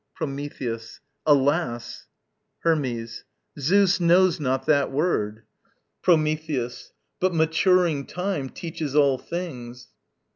Prometheus. Alas! Hermes. Zeus knows not that word. Prometheus. But maturing Time Teaches all things.